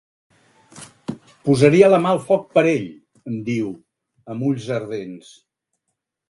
Posaria la mà al foc per ell —em diu, amb ulls ardents—.